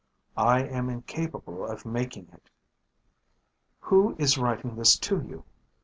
I am incapable of making it. "Who is writing this to you?